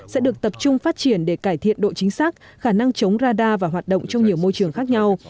sẽ được tập trung phát triển để cải thiện độ chính xác khả năng chống radar và hoạt động trong nhiều môi trường khác nhau